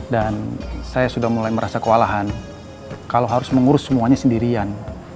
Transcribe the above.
dan saya sudah mulai merasa kewalahan kalau harus mengurus semuanya sendirian